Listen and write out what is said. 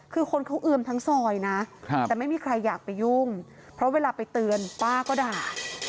คือคนเขาเอือมทั้งซอยนะแต่ไม่มีใครอยากไปยุ่งเพราะเวลาไปเตือนป้าก็ด่า